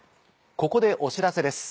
ここでお知らせです。